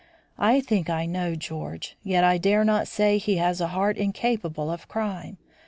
I think I know George, yet I dare not say he has a heart incapable of crime.